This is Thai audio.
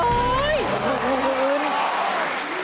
สี่หมื่น